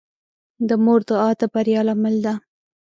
د مور دعا د بریا لامل ده.